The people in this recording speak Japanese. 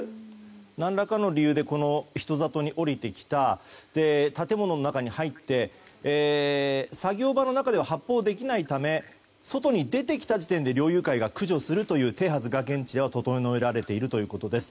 何らかの理由で人里に下りてきた建物の中に入って作業場の中では発砲できないため外に出てきた時点で猟友会が駆除するという手はずが現地では整えられているということです。